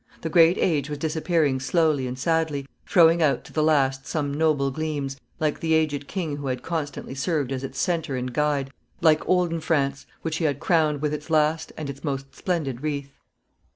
The great age was disappearing slowly and sadly, throwing out to the last some noble gleams, like the aged king who had constantly served as its centre and guide, like olden France, which he had crowned with its last and its most splendid wreath.